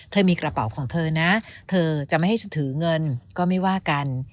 มีกระเป๋าของเธอนะเธอจะไม่ให้ถือเงินก็ไม่ว่ากัน